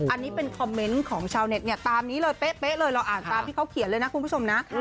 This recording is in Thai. อันนี้เป็นคอมเมนต์ของชาวเน็ตเนี่ยตามนี้เลยเป๊ะเลยเราอ่านตามที่เขาเขียนเลยนะคุณผู้ชมนะ